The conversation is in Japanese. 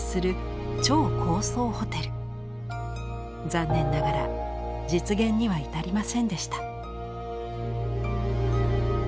残念ながら実現には至りませんでした。